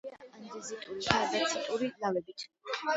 აგებულია ანდეზიტური და დაციტური ლავებით.